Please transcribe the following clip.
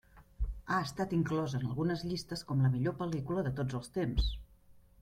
Ha estat inclosa en algunes llistes com la millor pel·lícula de tots els temps.